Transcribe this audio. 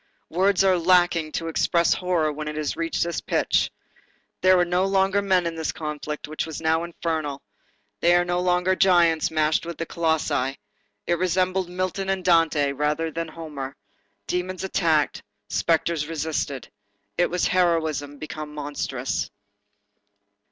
Words are lacking to express horror when it has reached this pitch. There were no longer men in this conflict, which was now infernal. They were no longer giants matched with colossi. It resembled Milton and Dante rather than Homer. Demons attacked, spectres resisted. It was heroism become monstrous.